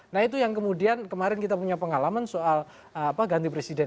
nah itu yang kemudian kemarin kita punya pengalaman soal ganti presiden